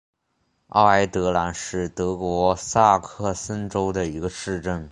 奥埃德兰是德国萨克森州的一个市镇。